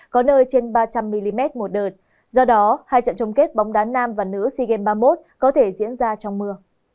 có nơi trên ba trăm linh mm một đợt do đó hai trận chung kết bóng đá nam và nữ sea games ba mươi một có thể diễn ra trong mưa